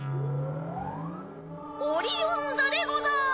オリオン座でござい。